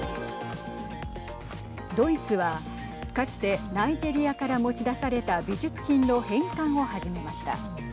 ドイツは、かつてナイジェリアから持ち出された美術品の返還を始めました。